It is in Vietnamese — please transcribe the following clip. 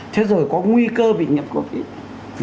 thế rồi có nguy cơ bị nhiễm covid